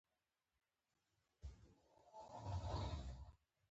په کور کې کوچني اختلافات باید لوی نه شي.